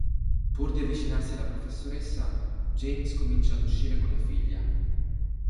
Pur di avvicinarsi alla professoressa, James comincia ad uscire con la figlia.